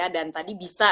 dan tadi bisa